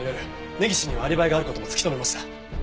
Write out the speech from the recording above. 根岸にはアリバイがある事も突き止めました。